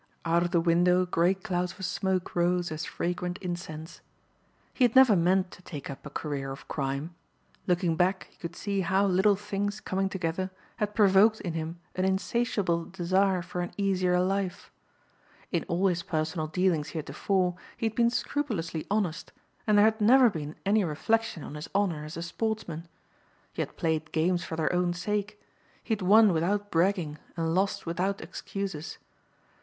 Out of the window grey clouds of smoke rose as fragrant incense. He had never meant to take up a career of crime. Looking back he could see how little things coming together had provoked in him an insatiable desire for an easier life. In all his personal dealings heretofore, he had been scrupulously honest, and there had never been any reflection on his honor as a sportsman. He had played games for their own sake. He had won without bragging and lost with excuses.